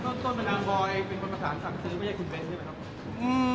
ต้นต้นประมาณบอยเป็นบรรพสารศัพท์คือไม่ใช่คุณเบ้นใช่ไหมครับอืม